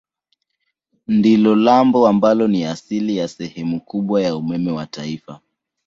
Ndilo lambo ambalo ni asili ya sehemu kubwa ya umeme wa taifa.